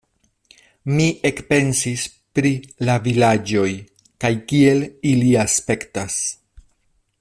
Mi ekpensis pri la vilaĝoj kaj kiel ili aspektas.